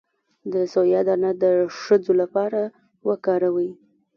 د سویا دانه د ښځو لپاره وکاروئ